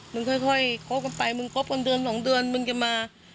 มึงค่อยคบกันไปมึงคบกันเดือน๒เดือนมึงจะมา